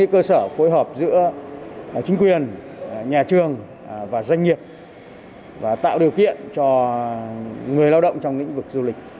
chính quyền nhà trường và doanh nghiệp tạo điều kiện cho người lao động trong lĩnh vực du lịch